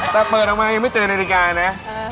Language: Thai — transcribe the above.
แต่เปิดออกมายังไม่เจอนาฬิกานะ